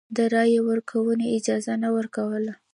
د رایې ورکونې اجازه نه ورکوله.